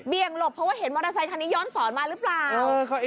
เบียงหลบเพราะว่าเห็นมอเตอร์ไซค์ทางนี้ย้อนศรมาหรือเปล่า